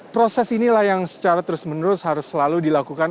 proses inilah yang secara terus menerus harus selalu dilakukan